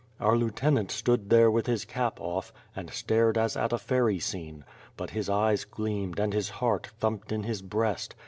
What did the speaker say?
Our lieutenant stood there with his cap off, and stared as at a fairy scene; but his eyes gleamed, and his heart thumped in his breast.